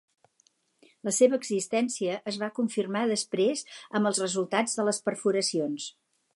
La seva existència es va confirmar després amb els resultats de les perforacions.